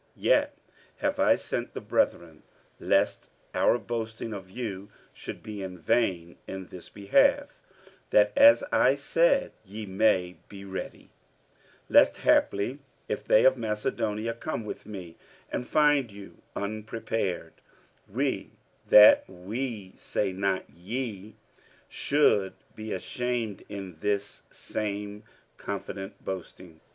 47:009:003 Yet have I sent the brethren, lest our boasting of you should be in vain in this behalf; that, as I said, ye may be ready: 47:009:004 Lest haply if they of Macedonia come with me, and find you unprepared, we (that we say not, ye) should be ashamed in this same confident boasting.